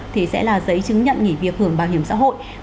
thì sẽ là giấy chứng nhận nghỉ việc hưởng bảo hiểm xã hội